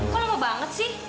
kok lama banget sih